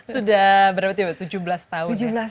sudah berapa tuh ya tujuh belas tahun ya